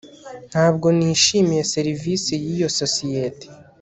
Ntabwo nishimiye serivisi yiyo sosiyete